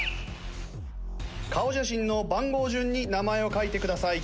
顔写真の番号順に名前を書いてください。